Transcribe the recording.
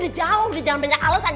udah jawab di jalan pencak alesan